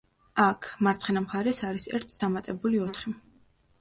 აქ, მარცხენა მხარეს არის ერთს დამატებული ოთხი.